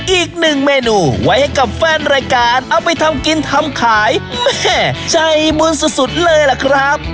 อีกหนึ่งเมนูไว้ให้กับแฟนรายการเอาไปทำกินทำขายแม่ใจบุญสุดเลยล่ะครับ